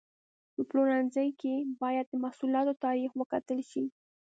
په پلورنځي کې باید د محصولاتو تاریخ وکتل شي.